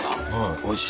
おいしい。